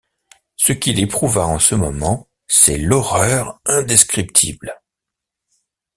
Ce qu’il éprouva en ce moment, c’est l’horreur indescriptible.